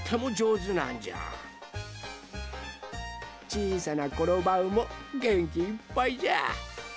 ちいさなコロバウもげんきいっぱいじゃ。